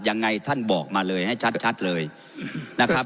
ยังไงท่านบอกมาเลยให้ชัดเลยนะครับ